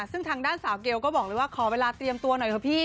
ซึ่งทางด้านสาวเกลก็บอกเลยว่าขอเวลาเตรียมตัวหน่อยเถอะพี่